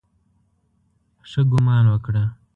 ښه ګومان وکړه.